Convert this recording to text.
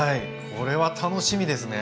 これは楽しみですね。